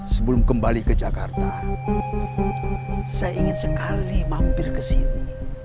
sebelum kembali ke jakarta saya ingin sekali mampir kesini